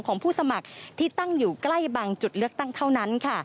ผู้สมัครที่ตั้งอยู่ใกล้บางจุดเลือกตั้งเท่านั้นค่ะ